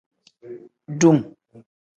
Dum.